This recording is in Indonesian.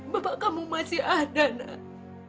bapak kamu masih ada nak